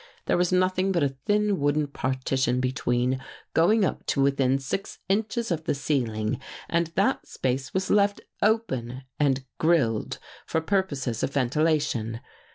There was nothing but a thin wooden partition between, going up to within six inches of the ceiling and that space was left open and grilled for purposes of ventilation.